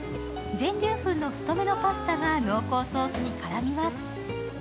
全粒粉の太めのパスタが濃厚ソースに絡みます。